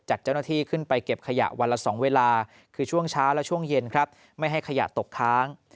จัดเจ้าหน้าที่ขึ้นไปเก็บขยะวันละ๒เวลาคือช่วงเช้าและช่วงเย็นครับไม่ให้ขยะตกค้าง